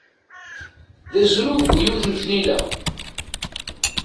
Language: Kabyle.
D azrug bu-yiwet n tnila.